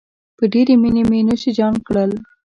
په ډېرې مينې مې نوشیجان کړل.